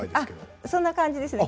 あっそんな感じですね。